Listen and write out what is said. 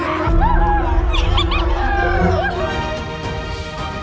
ya robot kaloin mampus berhasil turun